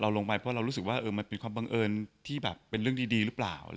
ลงไปเพราะเรารู้สึกว่ามันเป็นความบังเอิญที่แบบเป็นเรื่องดีหรือเปล่า